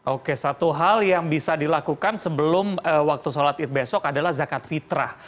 oke satu hal yang bisa dilakukan sebelum waktu sholat id besok adalah zakat fitrah